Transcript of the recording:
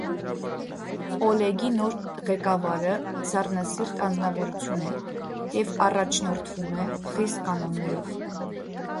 Օլեգի նոր ղեկավարը սառնասիրտ անձնավորություն է և առաջնորդվում է խիստ կանոններով։